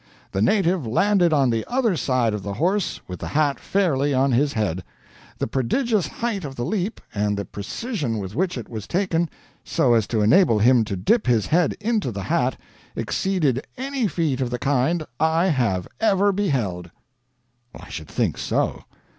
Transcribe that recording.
The native landed on the other side of the horse with the hat fairly on his head. The prodigious height of the leap, and the precision with which it was taken so as to enable him to dip his head into the hat, exceeded any feat of the kind I have ever beheld." I should think so!